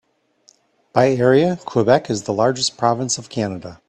By area, Quebec is the largest province of Canada.